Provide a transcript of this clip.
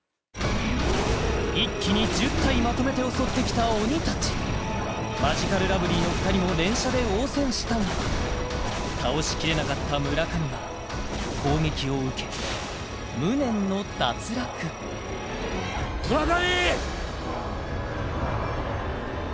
一気に１０体まとめて襲ってきた鬼達マヂカルラブリーの２人も連射で応戦したが倒しきれなかった村上は攻撃を受け無念の脱落村上！